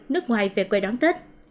nước ngoài về quê đón tết